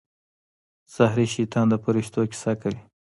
زهري شیطان د فرښتو کیسه کوي.